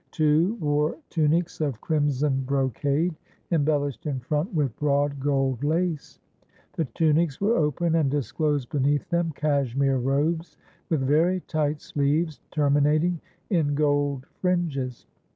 Two wore tunics of crimson brocade, embellished in front with broad gold lace. The tunics were open and disclosed beneath them cashmere robes, with very tight sleeves terminating in gold fringes.